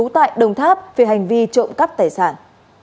tại đồng tháp về hành vi trộm cắp tài sản